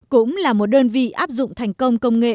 cũng là một đơn vị áp dụng thành công công nghệ